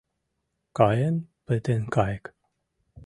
Каен пытен кайык.